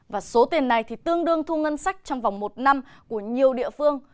và số tiền này tương đương thu ngân sách trong vòng một năm của nhiều địa phương